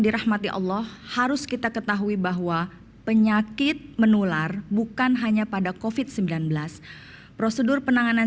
dirahmati allah harus kita ketahui bahwa penyakit menular bukan hanya pada kofit sembilan belas prosedur penanganan